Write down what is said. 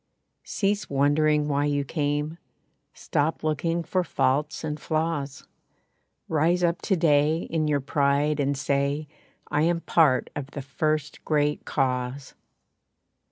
Cease wondering why you came Stop looking for faults and flaws. Rise up to day in your pride and say, "I am part of the First Great Cause!